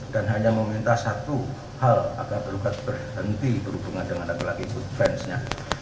dan hanya meminta satu hal agar tergugat berhenti berhubungan dengan lagi lagi good branch nya